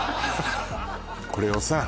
これをさ